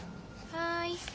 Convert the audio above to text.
はい。